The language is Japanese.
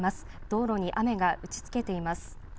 道路に雨が打ちつけています。